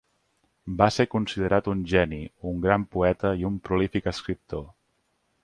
Va ser considerat un geni, un gran poeta i un prolífic escriptor.